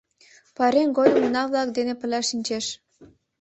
Пайрем годым уна-влак дене пырля шинчеш.